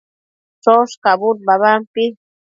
choshcabud babampi